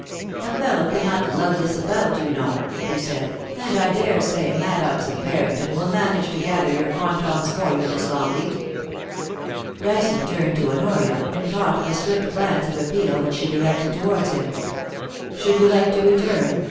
* A fellow cannot lug this about, you know,' he said, * and I dare say Maddox and Barrington will manage to gather your quantongs for you, Miss LongleaL' Dyson turned to Honoria, and caught the swift glance of appeal which she directed towards him. IN THE SCRUB. 199 * Should you like to return